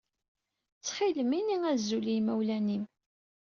Ttxil-m ini azul i yimawlan-im.